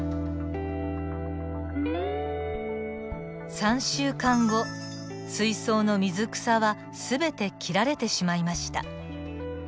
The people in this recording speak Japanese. ３週間後水槽の水草は全て切られてしまいました。